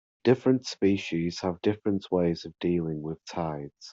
Different species have different ways of dealing with tides.